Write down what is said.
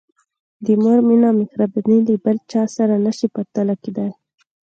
د مور مینه او مهرباني له بل چا سره نه شي پرتله کېدای.